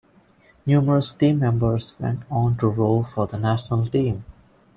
Numerous team members went on to row for the national team.